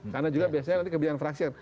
karena juga biasanya nanti kebijakan fraksi